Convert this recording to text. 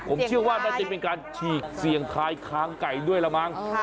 ผมเชื่อว่าน่าจะเป็นการฉีกเสี่ยงทายคางไก่ด้วยละมั้ง